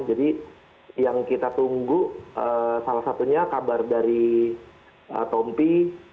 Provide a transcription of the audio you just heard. jadi yang kita tunggu salah satunya kabar dari tompi